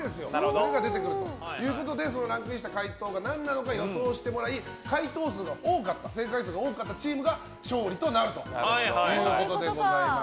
何が出てくるか。ということで、ランクインした回答が何なのか予想してもらい正解数が多かったチームが勝利になるということです。